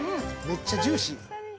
めっちゃ、ジューシー。